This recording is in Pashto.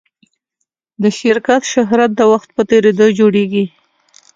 د شرکت شهرت د وخت په تېرېدو جوړېږي.